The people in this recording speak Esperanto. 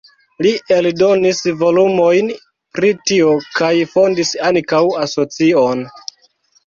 Li eldonis volumojn pri tio kaj fondis ankaŭ asocion.